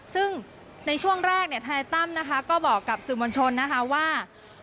ซึ่งในช่วงแรกธนัยตั้มก็บอกกับสื่อมวลชนว่า